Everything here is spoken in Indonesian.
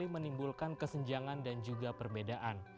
menimbulkan kesenjangan dan juga perbedaan